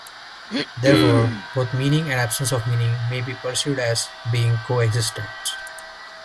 Therefore, both meaning and absence of meaning may be perceived as being co-existents.